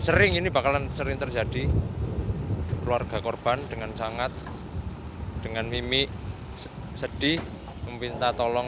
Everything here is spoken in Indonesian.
sering ini bakalan sering terjadi keluarga korban dengan sangat dengan mimi sedih meminta tolong